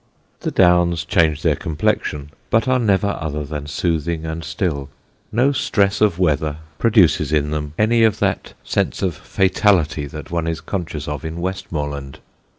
The Downs change their complexion, but are never other than soothing and still: no stress of weather produces in them any of that sense of fatality that one is conscious of in Westmoreland.